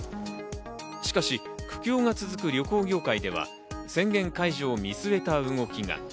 しかし、苦境が続く旅行業界では、宣言解除を見据えた動きが。